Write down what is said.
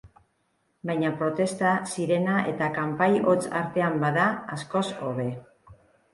Baina protesta, sirena eta kanpai hots artean bada, askoz hobe.